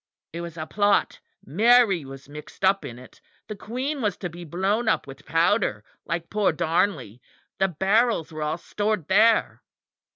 It was a plot. Mary was mixed up in it. The Queen was to be blown up with powder, like poor Darnley. The barrels were all stored there.